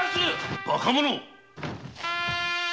・バカ者！